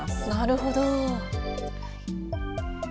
なるほど。